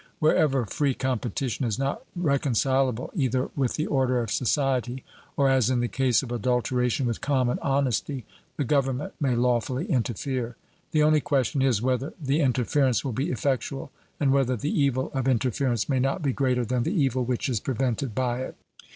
Wherever free competition is not reconcileable either with the order of society, or, as in the case of adulteration, with common honesty, the government may lawfully interfere. The only question is, Whether the interference will be effectual, and whether the evil of interference may not be greater than the evil which is prevented by it.